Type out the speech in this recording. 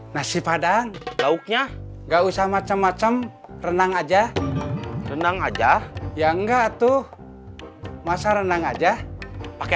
nasi padang lauknya enggak usah macam macam renang aja renang aja ya enggak tuh masa renang aja pakai